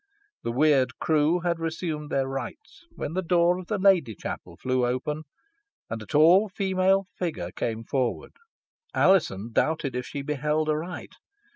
The weird crew had resumed their rites, when the door of the Lacy chapel flew open, and a tall female figure came forward. Alizon doubted if she beheld aright.